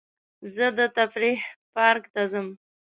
زه د تفریح پارک ته ځم.